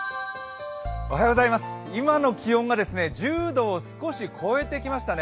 今の気温が１０度を少し超えてきましたね。